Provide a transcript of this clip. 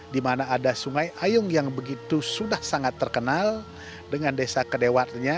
dimana ada sungai ayung yang begitu sudah sangat terkenal dengan desa kedewatannya